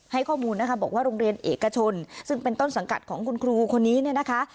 ให้ข้อมูลนะคะบอกว่าโรงเรียนเอกชนซึ่งเป็นต้นสังกัดของคุณครูคนนี้เนี่ยนะคะ